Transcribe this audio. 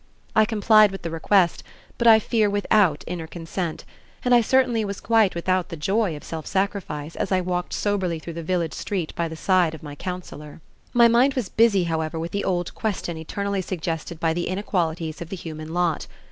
I complied with the request but I fear without inner consent, and I certainly was quite without the joy of self sacrifice as I walked soberly through the village street by the side of my counselor. My mind was busy, however, with the old question eternally suggested by the inequalities of the human lot.